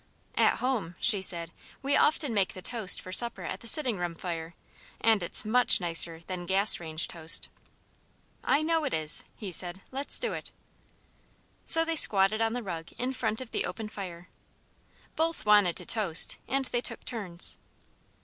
"At home," she said, "we often make the toast for supper at the sitting room fire, and it's much nicer than 'gas range toast.'" "I know it is," he said; "let's do it." So they squatted on the rug in front of the open fire. Both wanted to toast, and they took turns.